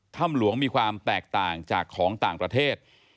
ถ้ำหลวงมีความแตกต่างจากของต่างประเทศ